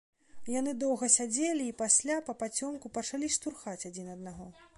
Яны доўга сядзелі і пасля, папацёмку, пачалі штурхаць адзін аднаго.